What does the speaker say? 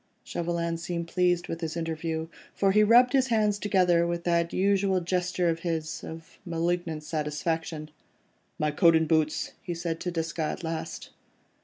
Chauvelin seemed pleased with his interview, for he rubbed his hands together, with that usual gesture of his, of malignant satisfaction. "My coat and boots," he said to Desgas at last.